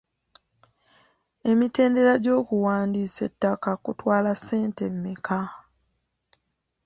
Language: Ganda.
Emitendera gy'okuwandiisa ettaka kutwala ssente mmeka?